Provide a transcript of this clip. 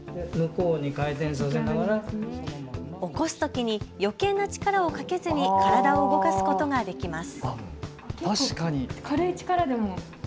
起こすときによけいな力をかけずに体を動かすことができます。